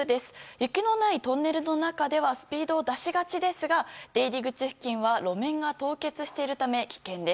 雪のないトンネルの中ではスピードを出しがちですが出入り口付近は路面が凍結しているため危険です。